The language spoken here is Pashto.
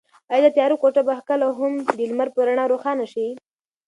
ایا دا تیاره کوټه به کله هم د لمر په رڼا روښانه شي؟